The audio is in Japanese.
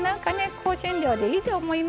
香辛料でいいと思います。